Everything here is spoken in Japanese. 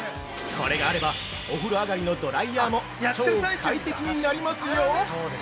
これがあれば、お風呂上がりのドライヤーも超快適になります。